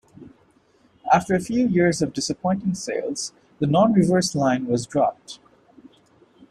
After a few years of disappointing sales, the "non-reverse" line was dropped.